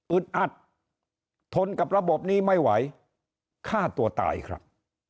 อัดทนกับระบบนี้ไม่ไหวฆ่าตัวตายครับ